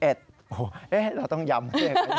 โอ้โหเราต้องย้ำ